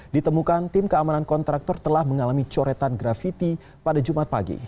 ditemukan tim keamanan kontraktor telah mengalami coretan grafiti pada jumat pagi